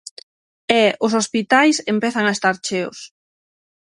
E "os hospitais empezan a estar cheos".